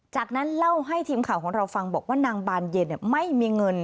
จากนั้นเล่าให้ทีมข่าวของเราฟังบอกว่านางบานเย็นไม่มีเงิน